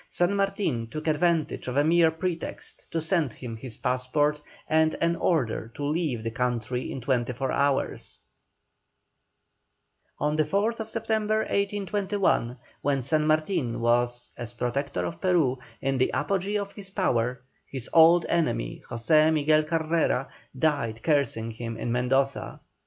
San Martin took advantage of a mere pretext to send him his passport and an order to leave the country in twenty four hours. On the 4th September, 1821, when San Martin was, as Protector of Peru, in the apogee of his power, his old enemy José Miguel Carrera, died cursing him in Mendoza.